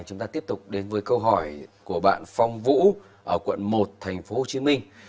chúng ta tiếp tục đến với câu hỏi của bạn phong vũ ở quận một thành phố hồ chí minh